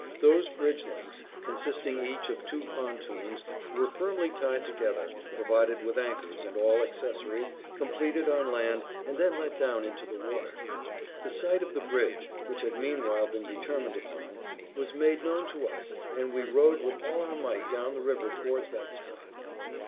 Those bridge links, consisting each of two pontoons, were firmly tied together, provided with anchors and all accessories, completed on land, and then let down into the water. The site of the bridge, which had meanwhile been determined upon, was made known to us, and we rowed with all our might down the river towards that spot.